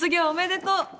おめでとう！